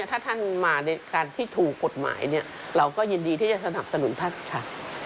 ถ้าท่านมาในการที่ถูกกฎหมายเนี่ยเราก็ยินดีที่จะสนับสนุนท่านค่ะ